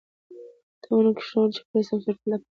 د ونو کښېنول د چاپیریال د سمسورتیا لپاره ډېر ګټور دي.